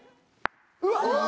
うわ！